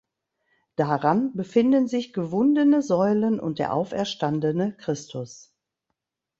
Daran befinden sich gewundene Säulen und der auferstandene Christus.